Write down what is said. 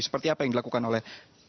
seperti apa yang dilakukan oleh